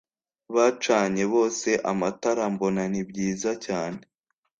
Bacanye bose amatala mbona ni byiza cyane